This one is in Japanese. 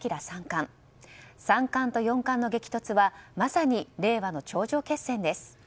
三冠と四冠の激突はまさに令和の頂上決戦です。